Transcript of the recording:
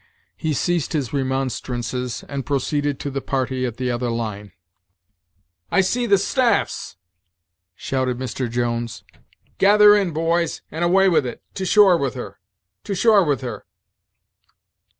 He ceased his remonstrances, and proceeded to the party at the other line. "I see the 'staffs,'" shouted Mr. Jones "gather in boys, and away with it; to shore with her! to shore with her!"